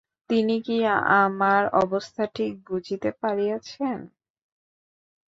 তিনি কি আমার অবস্থা ঠিক বুঝিতে পারিয়াছেন?